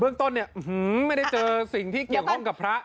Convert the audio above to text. เบื้องต้นอือฮูไม่ได้เจอสิ่งที่เกี่ยวพระ